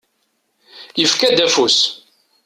Yefka-d afus.